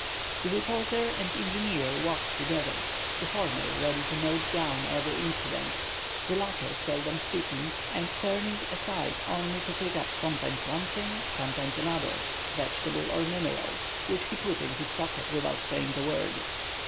The reporter and engineer walked together, the former ready to note down every incident, the latter seldom speaking, and turning aside only to pick up sometimes one thing, sometimes another, vegetable or mineral, which he put in his pocket without saying a word.